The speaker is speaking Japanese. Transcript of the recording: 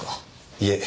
いえ。